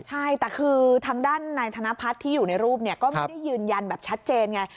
ใช่แต่คือทางด้านนายธนพัฒน์ที่อยู่ในรูปเนี่ยก็ไม่ได้ยืนยันแบบชัดเจนไง